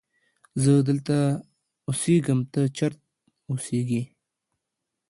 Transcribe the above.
زه دلته اسیږم ته چیرت اوسیږی